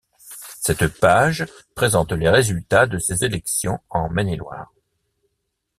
Cette page présente les résultats de ces élections en Maine-et-Loire.